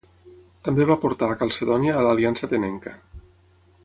També va portar a Calcedònia a l'aliança atenenca.